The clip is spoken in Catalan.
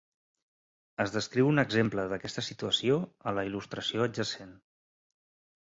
Es descriu un exemple d'aquesta situació a la il·lustració adjacent.